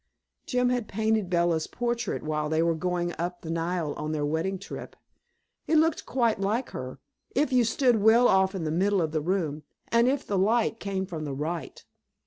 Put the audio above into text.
Jim had painted Bella's portrait while they were going up the Nile on their wedding trip. It looked quite like her, if you stood well off in the middle of the room and if the light came from the right.